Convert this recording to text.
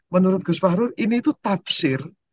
menurut gus fahrul ini itu tafsir